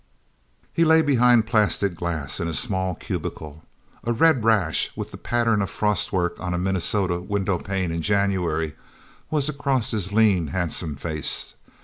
He lay behind plastic glass, in a small cubicle. A red rash, with the pattern of frostwork on a Minnesota windowpane in January, was across his lean, handsome face.